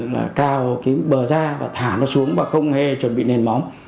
là cào cái bờ ra và thả nó xuống và không hề chuẩn bị nền móng